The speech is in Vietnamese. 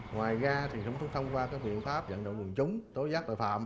ngoài ra thì chúng tôi thông qua cái biện pháp giận đổ nguồn chúng tối giác đòi phạm